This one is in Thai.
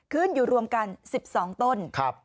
ขึ้นอยู่รวมกัน๑๒ต้น